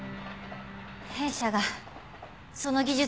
弊社がその技術の独占